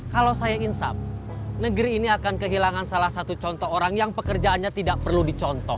kalau saya insam negeri ini akan kehilangan salah satu contoh orang yang pekerjaannya tidak perlu dicontoh